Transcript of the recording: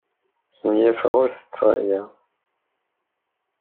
Smenyafeɣ ur ttetteɣ aya.